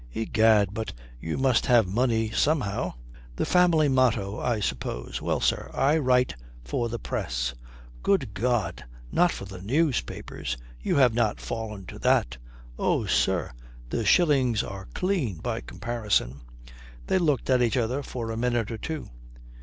"Egad, but you must have money somehow." "The family motto, I suppose. Well, sir, I write for the Press." "Good God, not for the newspapers? You have not fallen to that?" "Oh, sir, the shillings are clean by comparison." They looked at each other for a minute or two.